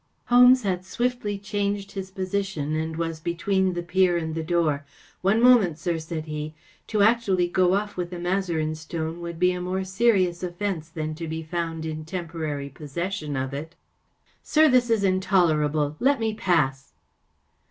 Holmes had swiftly changed his position and was between the peer and the door. " One moment, sir," said he. " To actually go off with the Mazarin stone would be a more serious offence than to be found in temporary possession of it." " Sir, this is intolerable ! Let me pass."